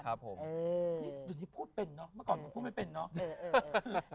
เดี๋ยวนี้พูดเป็นเนอะเมื่อก่อนมันพูดไม่เป็นเนาะ